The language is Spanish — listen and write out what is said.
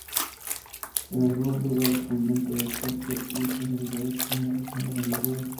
En algunos lugares con venta de pulque y especialidades como gusano de maguey.